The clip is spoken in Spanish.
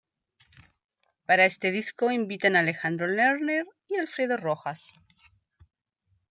Para este disco invitan a Alejandro Lerner y Alfredo Rojas.